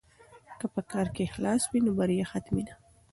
که په کار کې اخلاص وي نو بریا حتمي ده.